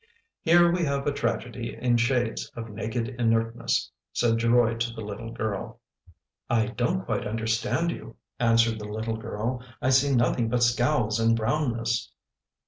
" Here we have a tragedy in shades of naked inertness/' said Geroid to the little girl. " I don't quite understand you/' answered the little girl. " I see nothing but scowls and brownness."